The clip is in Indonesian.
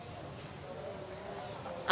atau akses maksimum